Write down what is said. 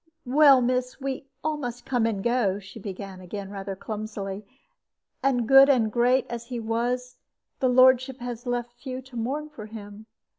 "Well, miss, we all must come and go," she began again, rather clumsily; "and, good and great as he was, his lordship has left few to mourn for him.